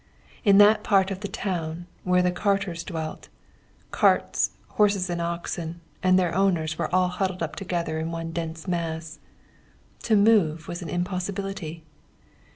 In that part of the town where the carters dwelt, carts, horses and oxen, and their owners were all huddled together in one dense mass. To move was an impossibility.